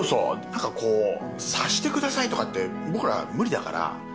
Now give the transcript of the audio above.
何かこう察してくださいとかって僕ら無理だから。